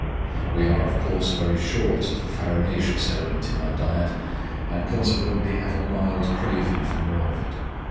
"We are, of course, very short of the farinaceous element in our diet, and consequently have a mild craving for more of it.